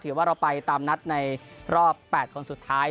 ว่าเราไปตามนัดในรอบ๘คนสุดท้าย